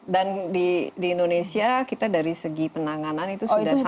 dan di indonesia kita dari segi penanganan itu sudah sama